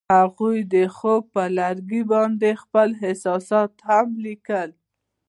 هغوی د خوب پر لرګي باندې خپل احساسات هم لیکل.